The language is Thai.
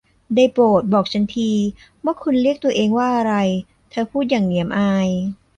ได้โปรด บอกฉันทีว่าคุณเรียกตัวเองว่าอะไร ? เธอพูดอย่างเหนียมอาย